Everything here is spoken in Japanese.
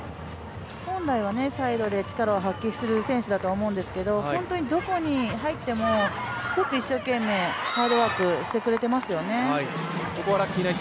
本来はサイドで力を発揮する選手なんですけど本当にどこに入っても一生懸命ハードワークしてくれてますよね。